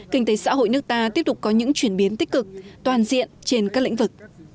kinh tế xã hội nước ta tiếp tục có những chuyển biến tích cực toàn diện trên các lĩnh vực